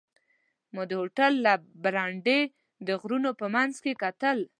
ما د هوټل له برنډې د غرونو په منځ کې کتل.